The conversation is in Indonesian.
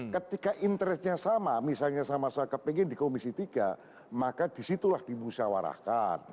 ketika interestnya sama misalnya sama sama kepingin di komisi tiga maka disitulah dimusyawarahkan